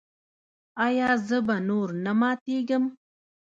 ایا زه به نور نه ماتیږم؟